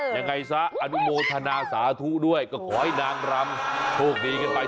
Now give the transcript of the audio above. ยังไงซะอนุโมทนาสาธุด้วยก็ขอให้นางรำโชคดีกันไป